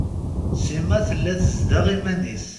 Sima tella tezdeɣ iman-is.